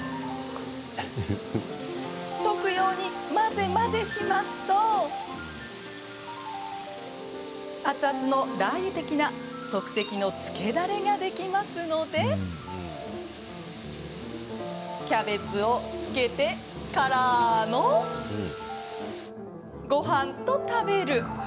溶くように混ぜ混ぜしますと熱々のラー油的な即席のつけだれができますのでキャベツをつけてからのごはんと食べる。